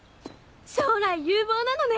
将来有望なのね！